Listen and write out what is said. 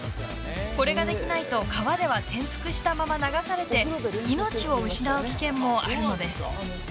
これができないと川では転覆したまま流されて命を失う危険もあるのです。